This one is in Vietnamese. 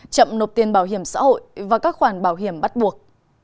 chậm nộp tiền bảo hiểm xã hội và các khoản bảo hiểm bắt buộc